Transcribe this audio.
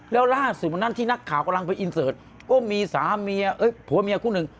แล้วล่าสุดวันนั้นที่นักข่าวกำลังไปอินเสิร์ตก็มีสามีผัวเมียคู่หนึ่ง